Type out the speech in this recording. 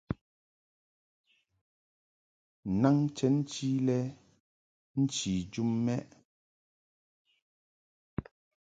Naŋ chenchi lɛ nchi jum mɛʼ.